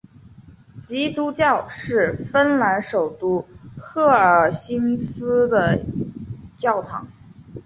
基督教堂是芬兰首都赫尔辛基的一座教堂。